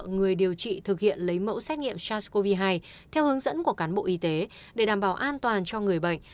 người điều trị thực hiện lấy mẫu xét nghiệm sars cov hai theo hướng dẫn của cán bộ y tế để đảm bảo an toàn cho người bệnh